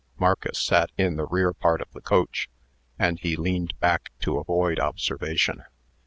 Marcus sat in the rear part of the coach, and he leaned back to avoid observation.